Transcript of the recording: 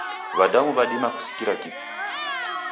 W'adamu w'adima kusikira kiw'iw'i.